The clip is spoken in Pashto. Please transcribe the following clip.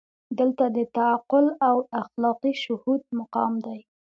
دلته د تعقل او اخلاقي شهود مقام دی.